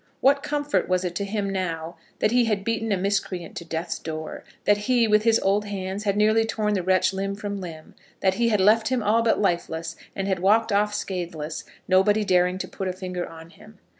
What comfort was it to him now, that he had beaten a miscreant to death's door that he, with his old hands, had nearly torn the wretch limb from limb that he had left him all but lifeless, and had walked off scatheless, nobody daring to put a finger on him?